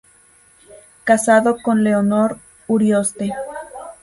Casado con "Leonor Urioste".